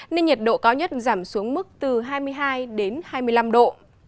nên nhiệt độ cao nhất giảm xuống mức từ hai mươi hai đến hai mươi năm độ